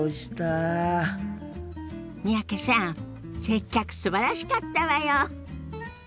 三宅さん接客すばらしかったわよ。